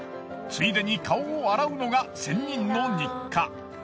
ついでに顔を洗うのが仙人の日課。